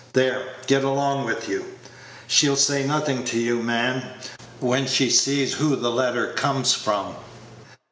There, get along with you. She'll say nothing to you, man, when she sees who the letter comes from."